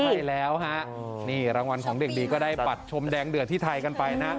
ใช่แล้วฮะนี่รางวัลของเด็กดีก็ได้บัตรชมแดงเดือดที่ไทยกันไปนะ